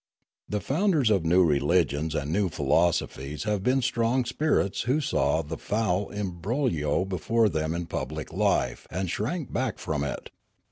The founders of new religions and new philoso phies have been strong spirits who saw the foul im broglio before them in public life and shrank back from it.